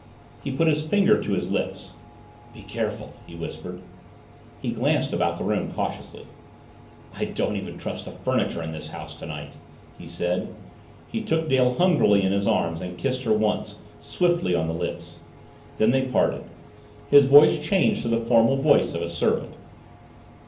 He put his finger to his lips. "Be careful!" he whispered. He glanced about the room cautiously. "I don't trust even the furniture in this house to night!" he said. He took Dale hungrily in his arms and kissed her once, swiftly, on the lips. Then they parted his voice changed to the formal voice of a servant.